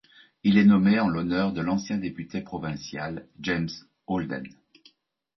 Il est nommé en l'honneur de l'ancien député provincial James Holden.